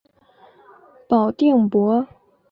保定伯。